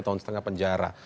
dua tahun setengah penjara